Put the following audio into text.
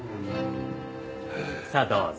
さあどうぞ。